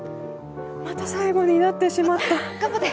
また最後になってしまった。